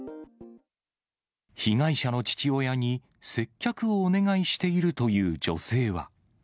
被害者の父親に接客をお願いしているという女性は。